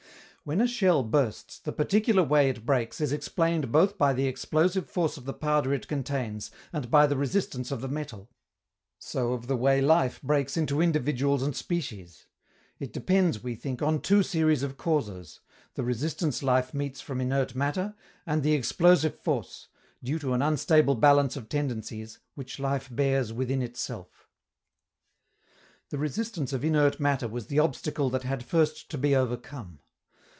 When a shell bursts, the particular way it breaks is explained both by the explosive force of the powder it contains and by the resistance of the metal. So of the way life breaks into individuals and species. It depends, we think, on two series of causes: the resistance life meets from inert matter, and the explosive force due to an unstable balance of tendencies which life bears within itself. The resistance of inert matter was the obstacle that had first to be overcome.